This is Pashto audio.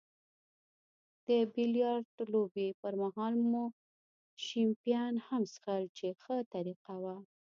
د بیلیارډ لوبې پرمهال مو شیمپین هم څیښل چې ښه طریقه وه.